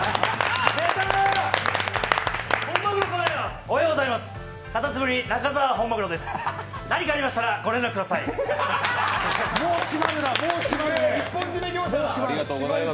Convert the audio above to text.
おはようございます。